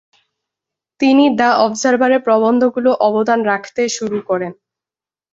তিনি দ্য অবজারভারে প্রবন্ধগুলি অবদান রাখতে শুরু করেন।